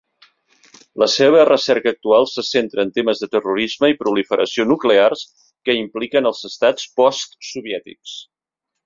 La seva recerca actual se centra en temes de terrorisme i proliferació nuclears que impliquen els estats postsoviètics.